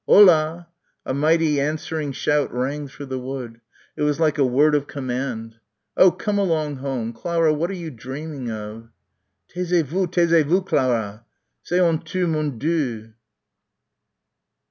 "Ho lah!" A mighty answering shout rang through the wood. It was like a word of command. "Oh, come along home; Clara, what are you dreaming of?" "Taisez vous, taisez vous, Clarah! C'est honteux mon Dieu!"